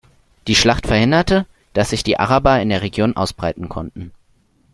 Die Schlacht verhinderte, dass sich die Araber in der Region ausbreiten konnten.